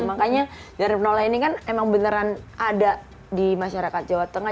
makanya dari penola ini kan emang beneran ada di masyarakat jawa tengah